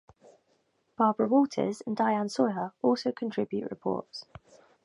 Barbara Walters and Diane Sawyer also contribute reports.